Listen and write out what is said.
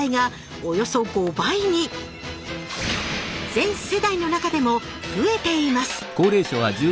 全世代の中でも増えています